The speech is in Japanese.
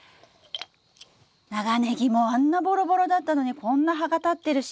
長ネギもあんなボロボロだったのにこんな葉が立ってるし。